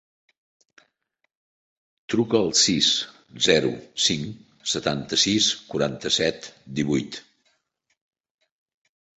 Truca al sis, zero, cinc, setanta-sis, quaranta-set, divuit.